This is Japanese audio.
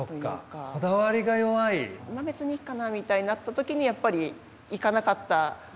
「別にいいかな」みたいになった時にやっぱりいかなかったばっかりに。